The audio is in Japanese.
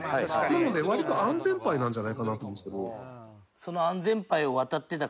なので割と安全パイなんじゃないかなと思うんですけど。